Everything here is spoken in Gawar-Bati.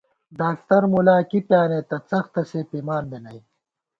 ڈاکتر مُلا کی پیانېتہ څختہ سے پِمان بی نئ